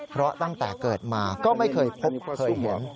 เพราะตั้งแต่เกิดมาก็ไม่เคยพบเคยหวง